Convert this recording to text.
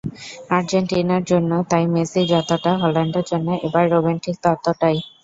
আর্জেন্টিনার জন্য তাই মেসি যতটা, হল্যান্ডের জন্য এবার রোবেন ঠিক ততটাই।